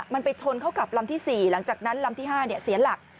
มันไปชนเข้ากับลำที่๔หลังจากนั้นลำที่๕เสียหลัก